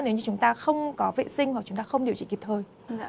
nếu như chúng ta không có vệ sinh hoặc chúng ta không điều trị kịp thời